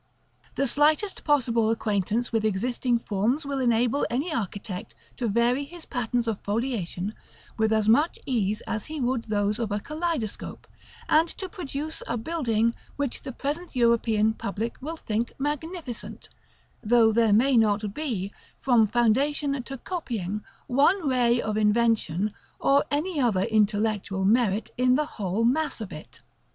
The slightest possible acquaintance with existing forms will enable any architect to vary his patterns of foliation with as much ease as he would those of a kaleidoscope, and to produce a building which the present European public will think magnificent, though there may not be, from foundation to coping, one ray of invention, or any other intellectual merit, in the whole mass of it.